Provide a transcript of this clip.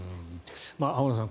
浜田さん